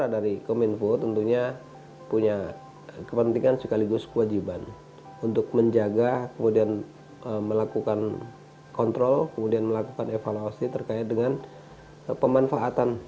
dan melakukan kontrol kemudian melakukan evaluasi terkait dengan pemanfaatan